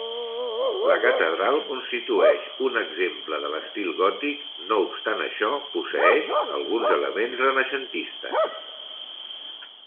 La catedral constitueix un exemple de l'estil gòtic, no obstant això, posseeix alguns elements renaixentistes.